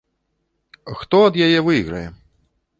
Хто ад яе выйграе?